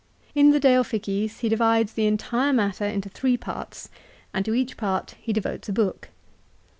In the " De Officiis " he divides the entire matter into three parts, and to each part he devotes a book.